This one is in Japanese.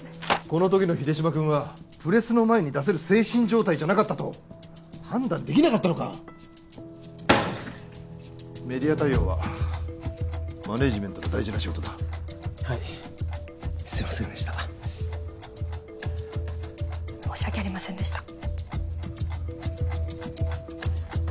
この時の秀島君はプレスの前に出せる精神状態じゃなかったと判断できなかったのかメディア対応はマネージメントの大事な仕事だはいすいませんでした申し訳ありませんでした